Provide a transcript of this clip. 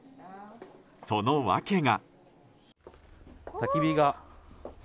その訳が。